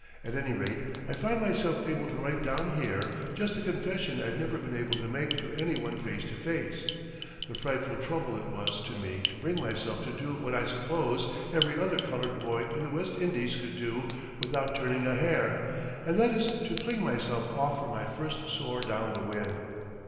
At any rate I find myself able to write down here just the confession I've never been able to make to any one face to face, the frightful trouble it was to me to bring myself to do what I suppose every other coloured boy in the West Indies could do without turning a hair, and that is to fling myself off for my first soar down the wind.